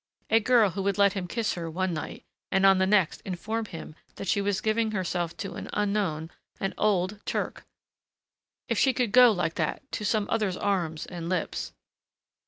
A girl who would let him kiss her one night and on the next inform him that she was giving herself to an unknown an old Turk.... If she could go like that, to some other's arms and lips